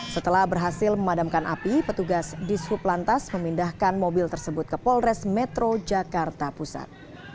setelah berhasil memadamkan api petugas di sup lantas memindahkan mobil tersebut ke polres metro jakarta pusat